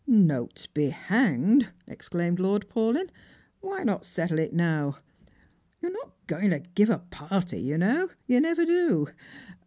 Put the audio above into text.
" Notes be hanged !" exclaimed Lord Paulyn; " why not settle it now ? You are not going to give a party, you know ; you never do.